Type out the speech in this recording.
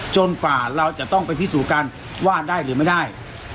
กว่าเราจะต้องไปพิสูจน์กันว่าได้หรือไม่ได้